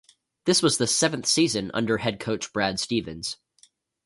This was the seventh season under head coach Brad Stevens.